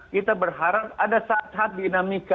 kita berharap ada saat saat dinamika